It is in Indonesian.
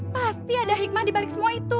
pasti ada hikmah di balik semua itu